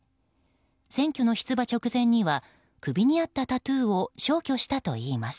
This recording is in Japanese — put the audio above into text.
選挙の出馬直前には首にあったタトゥーを消去したといいます。